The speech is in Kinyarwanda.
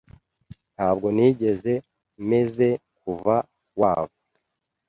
Ntabwo nigeze meze kuva wava.